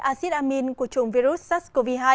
acid amine của trùng virus sars cov hai